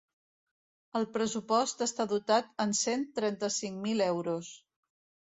El pressupost està dotat en cent trenta-cinc mil euros.